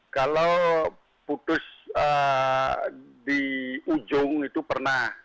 kalau putus di ujung itu pernah